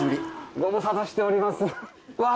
ご無沙汰しておりますわあ